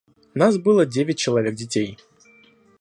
Нас было девять человек детей.